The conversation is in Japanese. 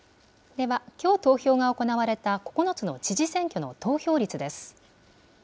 では、きょう投票が行われた９つの知事選挙の投票率です。